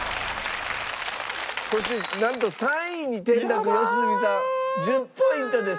そしてなんと３位に転落良純さん１０ポイントです。